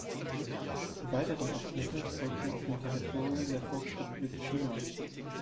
Die weiteren Abschnitte folgten auf dem Territorium der Volksrepublik China.